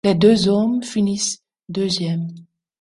Les deux hommes finissent deuxièmes.